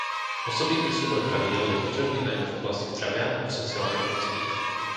Osobitný súbor pravidiel je potrebný najmä v oblasti zdravia a v sociálnej oblasti.